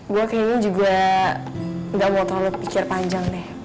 gue kayaknya juga gak mau terlalu pikir panjang deh